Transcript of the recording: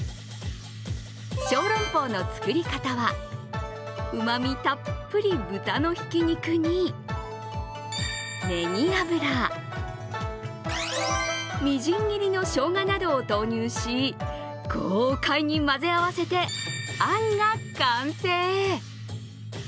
ショーロンポーの作り方は、うまみたっぷり豚のひき肉にねぎ油、みじん切りのしょうがなどを投入し豪快に混ぜ合わせて、あんが完成。